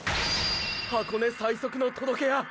箱根最速の届け屋